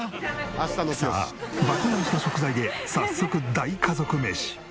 さあ爆買いした食材で早速大家族メシ。